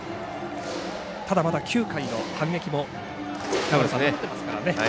ただ、まだ９回の反撃もありますからね。